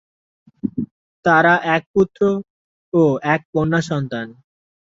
তারা এক পুত্র ও এক কন্যা সন্তান।